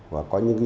và có những dự án